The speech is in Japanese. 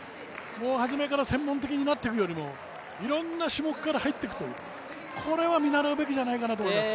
初めから専門的になっていくよりもいろんな種目から入っていくこれは見習うべきじゃないかなと思います。